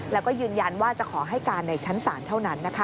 แล้วก็ยืนยันว่าจะขอให้การในชั้นศาลเท่านั้น